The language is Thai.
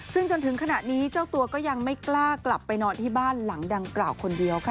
ซึ่งจนถึงขณะนี้เจ้าตัวก็ยังไม่กล้ากลับไปนอนที่บ้านหลังดังกล่าวคนเดียวค่ะ